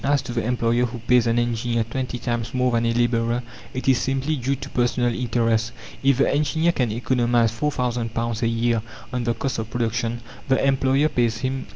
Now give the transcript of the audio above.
As to the employer who pays an engineer twenty times more than a labourer, it is simply due to personal interest; if the engineer can economize £4,000 a year on the cost of production, the employer pays him £800.